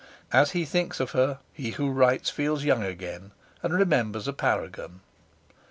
As he thinks of her, he who writes feels young again, and remembers a paragon.